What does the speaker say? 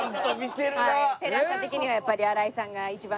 テレ朝的にはやっぱり新井さんが一番。